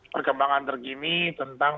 perkembangan terkini tentang